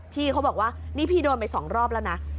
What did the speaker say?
พี่เขาบอกว่านี่พี่โดนไป๒รอบแล้วนะ